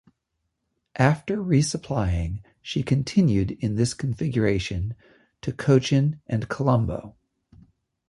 After resupplying she continued in this configuration to Cochin and Colombo.